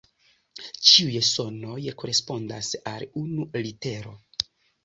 Ĉiuj sonoj korespondas al unu litero.